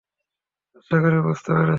আশা করি বুঝতে পেরেছেন।